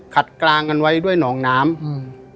กลางกันไว้ด้วยหนองน้ำอืม